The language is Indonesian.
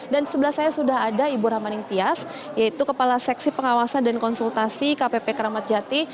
dan sebelah saya sudah ada ibu rahmanin tias yaitu kepala seksi pengawasan dan konsultasi kpp keramatjati